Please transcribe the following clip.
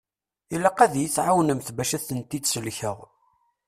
Ilaq ad yi-tɛawnemt bac ad tent-id-sellkeɣ.